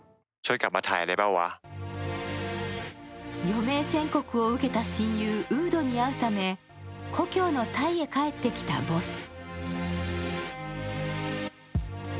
余命宣告を受けた親友、ウードに会うため故郷のタイへ帰ってきたボス。